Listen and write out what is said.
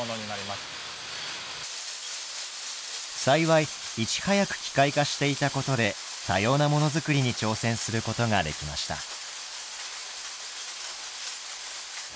幸いいち早く機械化していたことで多様なモノ作りに挑戦することができました。